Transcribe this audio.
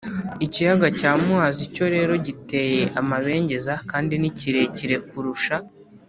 Ikiyaga cya Muhazi cyo rero giteye amabengeza kandi ni kirekire kurusha